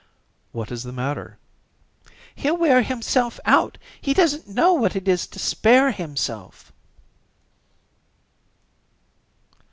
"What is the matter?" "He'll wear himself out. He doesn't know what it is to spare himself."